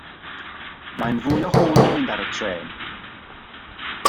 Mae'n fwy o hwyl mynd ar y trên.